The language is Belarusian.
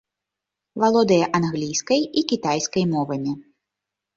Валодае англійскай і кітайскай мовамі.